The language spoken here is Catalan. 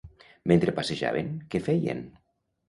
Mentre passejaven, què feien?